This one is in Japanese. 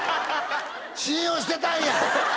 信用してたんや！